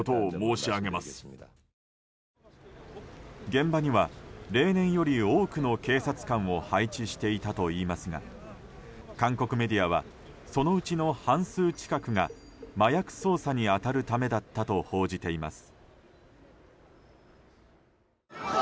現場には例年より多くの警察官を配置していたといいますが韓国メディアはそのうちの半数近くが麻薬捜査に当たるためだったと報じています。